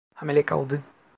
Hamile kaldı.